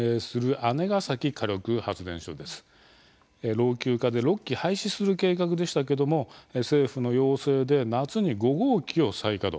老朽化で６基廃止する計画でしたけども政府の要請で夏に５号機を再稼働。